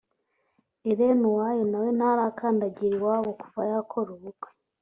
Irene Uwoya na we ntarakandagira iwabo kuva yakora ubukwe